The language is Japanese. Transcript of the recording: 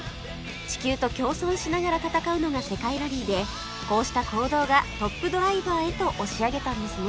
地球と共存しながら戦うのが世界ラリーでこうした行動がトップドライバーへと押し上げたんですね